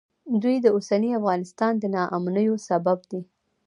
دوی د اوسني افغانستان د ناامنیو سبب دي